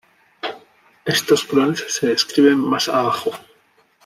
Estos clones se describen más abajo.